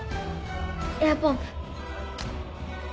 エアポンプ。